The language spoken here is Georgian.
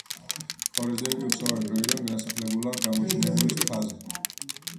ქორიძეები უხსოვარი დროიდან დასახლებულან გამოჩინებულის მთაზე.